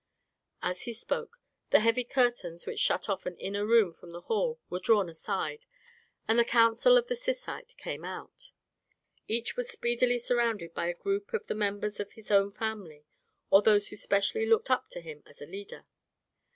As he spoke the heavy curtains which shut off an inner room from the hall were drawn aside, and the council of the Syssite came out. Each was speedily surrounded by a group of the members of his own family, or those who specially looked up to him as a leader.